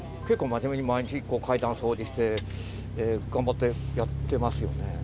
結構真面目に毎日、階段を掃除して、頑張ってやってますよね。